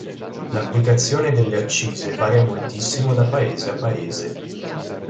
L'applicazione delle accise varia moltissimo da paese a paese.